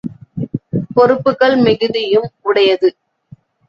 பொறுப்புகள் மிகுதியும் உடையது!